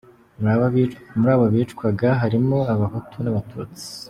Muri abo bicwaga harimo abahutu n’abatutsi.